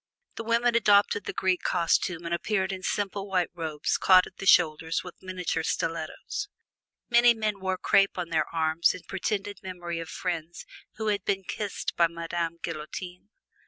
The women adopted the Greek costume and appeared in simple white robes caught at the shoulders with miniature stilettos. Many men wore crape on their arms in pretended memory of friends who had been kissed by Madame Guillotine.